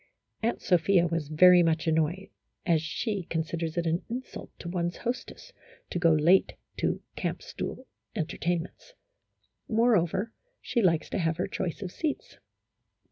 Aunt Sophia was very much annoyed, as she con siders it an insult to one's hostess to go late to camp stool entertainments ; moreover, she likes to have her choice of seats.